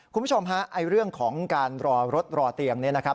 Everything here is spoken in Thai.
คุณผู้ชมฮะเรื่องของการรอรถรอเตียงเนี่ยนะครับ